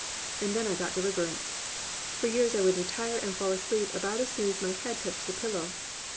And then I got deliverance. For years I would retire and fall asleep about as soon as my head touched the pillow.